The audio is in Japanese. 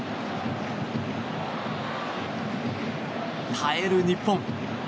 耐える日本。